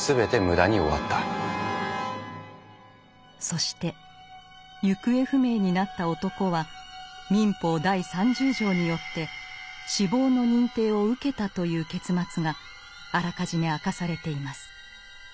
そして行方不明になった男は民法第三十条によって死亡の認定を受けたという結末があらかじめ明かされています。